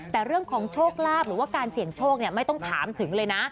แต่เรื่องของโชคลาภหรือว่าการเสี่ยงโชคไม่ต้องถามถึงเลยนะ